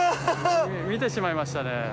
見てしまいましたね。